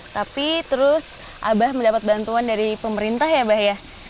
tapi terus abah mendapat bantuan dari pemerintah ya abah ya